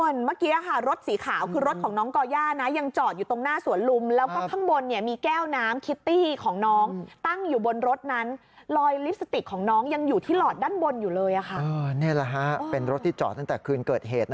เมื่อกี้เป็นรถที่จอดตั้งแต่คืนเกิดเหตุ